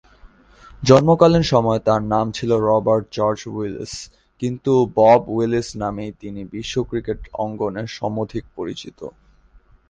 জন্মকালীন সময়ে তার নাম ছিল "রবার্ট জর্জ উইলিস"; কিন্তু বব উইলিস নামেই তিনি বিশ্ব ক্রিকেট অঙ্গনে সমধিক পরিচিত।